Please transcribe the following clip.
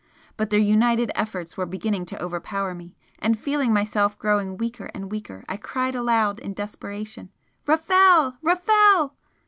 But their united efforts were beginning to overpower me, and feeling myself growing weaker and weaker I cried aloud in desperation: "Rafel! Rafel!"